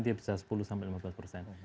dia bisa sepuluh sampai lima belas persen